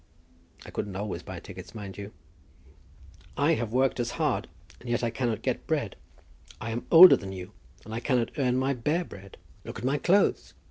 "I couldn't always buy tickets, mind you." "I have worked as hard, and yet I cannot get bread. I am older than you, and I cannot earn my bare bread. Look at my clothes.